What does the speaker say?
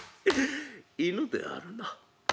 犬であるな。